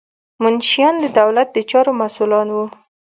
منشیان د دولت د چارو مسؤلان وو.